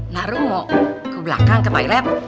nah ru mau ke belakang ke toilet